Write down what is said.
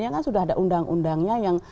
kan sudah ada undang undangnya yang